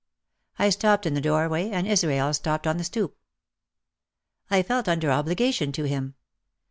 I stopped in the doorway and Israel stopped on the stoop. I felt un der obligation to him.